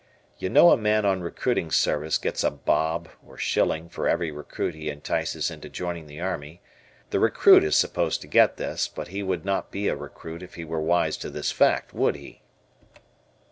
You know a man on recruiting service gets a "bob" or shilling for every recruit he entices into joining the army, the recruit is supposed to get this, but he would not be a recruit if he were wise to this fact, would he?